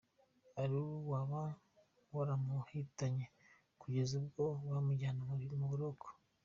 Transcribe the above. a Lulu waba waramuhitanye kugeza ubwo bamujyana mu buroko.